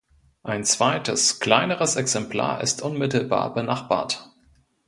Ein zweites, kleineres Exemplar ist unmittelbar benachbart.